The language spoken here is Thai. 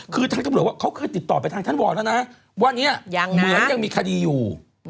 คือทางตำรวจว่าเขาเคยติดต่อไปทางท่านวอลแล้วนะวันนี้เหมือนยังมีคดีอยู่